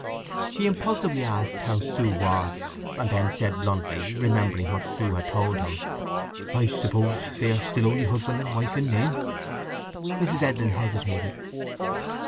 He impulsively asked how Sue was, and then said bluntly, remembering what Sue had told him: "I suppose they are still only husband and wife in name?" Mrs. Edlin hesitated.